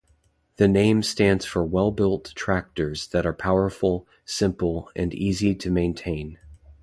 The name stands for well-built tractors that are powerful, simple and easy to maintain.